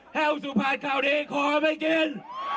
แห้วสุพรรณคราวนี้ขอไม่กิน